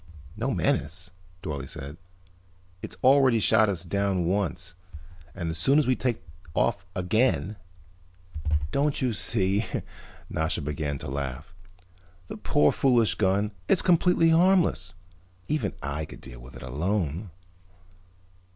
"No menace?" Dorle said. "It's already shot us down once. And as soon as we take off again " "Don't you see?" Nasha began to laugh. "The poor foolish gun, it's completely harmless. Even I could deal with it alone."